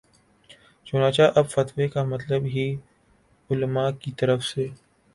چنانچہ اب فتوے کا مطلب ہی علما کی طرف سے